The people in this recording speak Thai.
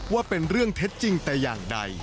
ว่าเป็นเรื่องเท็จจริงแต่อย่างใด